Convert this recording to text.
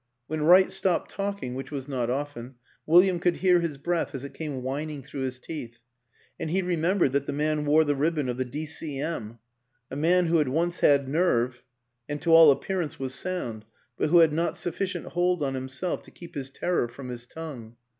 When Wright stopped talking which was not often William could hear his breath as it came whining through his teeth; and he remembered that the man wore the ribbon of the D. C. M a man who had once had nerve and to all appearance was sound, but who had not sufficient hold on himself to keep his terror from his tongue.